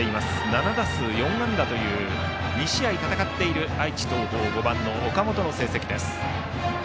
７打数４安打という２試合戦っている、愛知・東邦５番の岡本の成績です。